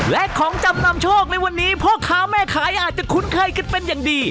และของจำนำโชคในวันนี้พ่อค้าแม่ขายอาจจะคุ้นเคยกันเป็นอย่างดี